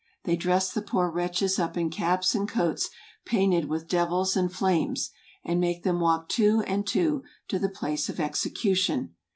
They dress the poor wretches up in caps and coats painted with devils and flames, and make them walk two and two to the place of execution.